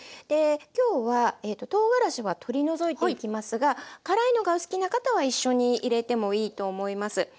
今日はとうがらしは取り除いていきますが辛いのがお好きな方は一緒に入れてもいいと思います。